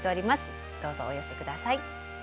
どうぞお寄せ下さい。